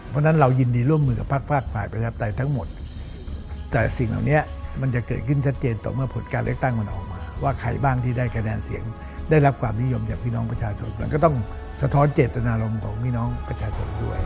เพราะฉะนั้นเรายินดีร่วมมือกับภาค